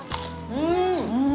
うん！